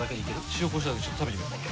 塩こしょうだけでちょっと食べてみようか。